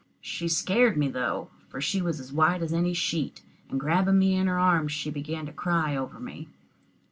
She scared me, though, for she was as white as any sheet, and grabbing me in her arms, she began to cry over me.